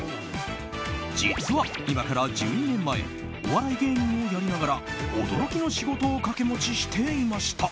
実は、今から１２年前お笑い芸人をやりながら驚きの仕事を掛け持ちしていました。